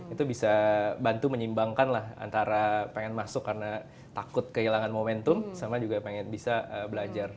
itu bisa bantu menyimbangkan lah antara pengen masuk karena takut kehilangan momentum sama juga pengen bisa belajar